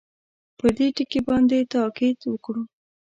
پر دې ټکي باندې تاءکید وکړو.